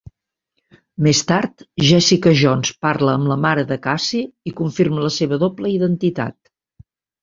Més tard, Jessica Jones parla amb la mare de Cassie i confirma la seva doble identitat.